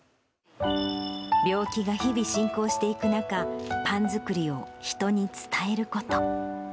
病気が日々進行していく中、パン作りを人に伝えること。